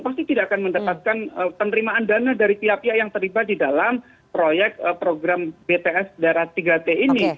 pasti tidak akan mendapatkan penerimaan dana dari pihak pihak yang terlibat di dalam proyek program bts daerah tiga t ini